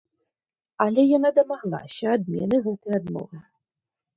Але яна дамаглася адмены гэтай адмовы.